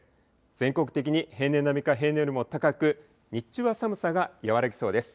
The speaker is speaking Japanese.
全国的に平年並みか、平年よりも高く、日中は寒さが和らぎそうです。